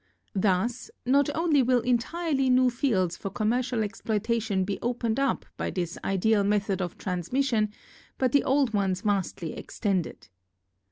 Thus, not only will entirely new fields for commercial exploitation be opened up by this ideal method of transmission but the old ones vastly extended.